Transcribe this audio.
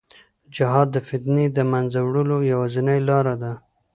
جهاد د فتنې د منځه وړلو یوازینۍ لار ده.